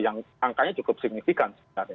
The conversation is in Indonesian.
yang angkanya cukup signifikan